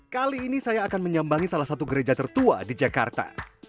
kali ini saya akan menyambangi salah satu gereja tertua di jakarta